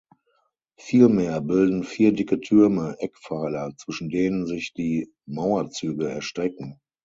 Vielmehr bilden vier dicke Türme Eckpfeiler, zwischen denen sich die Mauerzüge erstrecken.